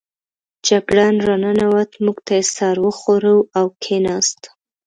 جګړن را ننوت، موږ ته یې سر و ښوراوه او کېناست.